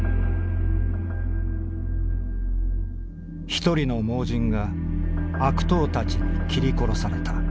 「一人の盲人が悪党たちに斬り殺された。